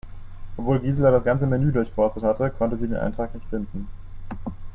Obwohl Gisela das ganze Menü durchforstet hatte, konnte sie den Eintrag nicht finden.